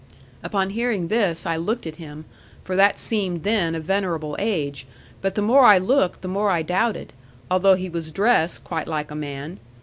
'Upon hearing this I looked at him, for that seemed then a venerable age; but the more I looked the more I doubted, although he was dressed quite like a man.